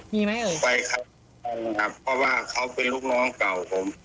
มีไหมเอ่ยไปครับไปครับเพราะว่าเขาเป็นลูกน้องเก่าผม